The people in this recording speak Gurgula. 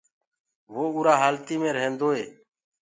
وو اُرآ هآلتي مي ريهندوئي